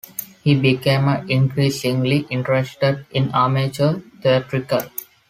He became increasingly interested in amateur theatricals.